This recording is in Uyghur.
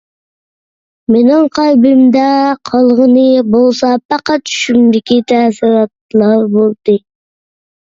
مېنىڭ قەلبىمدە قالغىنى بولسا پەقەت چۈشۈمدىكى تەسىراتلا بولدى.